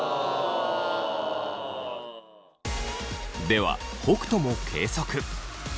では北斗も計測。